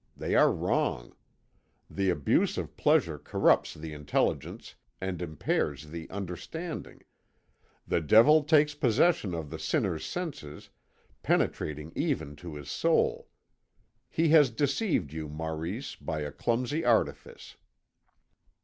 They are wrong. The abuse of pleasure corrupts the intelligence and impairs the understanding. The devil takes possession of the sinner's senses, penetrating even to his soul. He has deceived you, Maurice, by a clumsy artifice."